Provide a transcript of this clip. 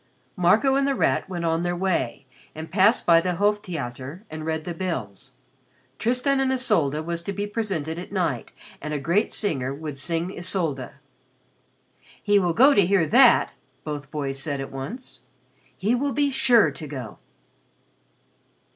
Marco and The Rat went on their way and passed by the Hof Theater and read the bills. "Tristan and Isolde" was to be presented at night and a great singer would sing Isolde. "He will go to hear that," both boys said at once. "He will be sure to go."